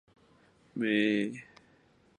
事后没有组织立即宣称对事件负责。